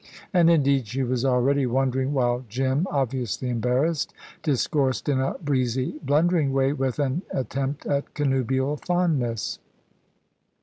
And indeed, she was already wondering while Jim, obviously embarrassed, discoursed in a breezy, blundering way, with an attempt at connubial fondness.